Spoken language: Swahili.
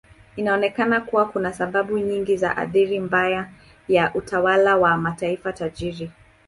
Inaonekana kuwa kuna sababu nyingi za athari mbaya ya utawala wa mataifa tajiri.